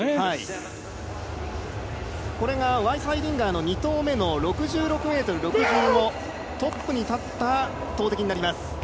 ワイスハイディンガーの２投目の６６ｍ６０のトップに立った投てきになります。